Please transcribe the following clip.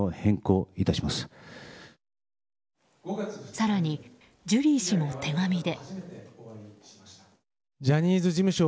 更に、ジュリー氏も手紙で。